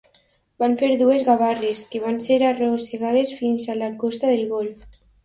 Van fer dues gavarres, que van ser arrossegades fins a la costa del Golf.